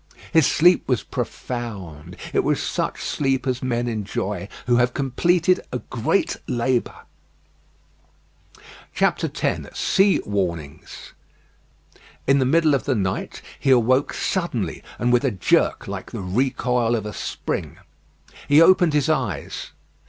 His sleep was profound. It was such sleep as men enjoy who have completed a great labour. X SEA WARNINGS In the middle of the night he awoke suddenly and with a jerk like the recoil of a spring. He opened his eyes.